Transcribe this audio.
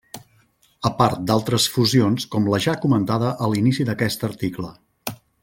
A part d'altres fusions com la ja comentada a l'inici d'aquest article.